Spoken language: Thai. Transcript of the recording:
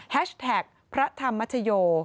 แท็กพระธรรมชโย